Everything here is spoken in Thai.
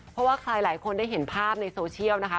เพราะว่าใครหลายคนได้เห็นภาพในโซเชียลนะคะ